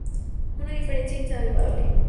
Una diferencia insalvable.